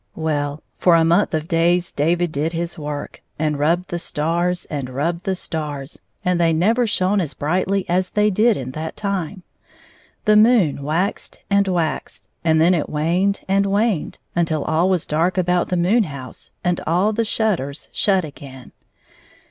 Well, for a month of days David did his work, and rubbed the stars and rubbed the stars, and they never shone as brightly as they did in that time. The moon waxed and waxed, and then it waned and waned, until all was dark about the moon house and all the shutters shut again.